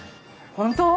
本当？